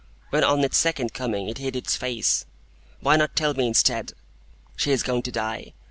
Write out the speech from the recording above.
When on its second coming it hid its face, why not tell me, instead, 'She is going to die.